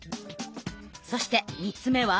そして３つ目は。